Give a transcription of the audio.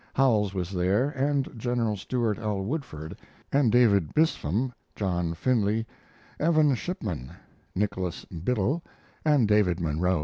Howells was there, and Gen. Stewart L. Woodford, and David Bispham, John Finley, Evan Shipman, Nicholas Biddle, and David Munro.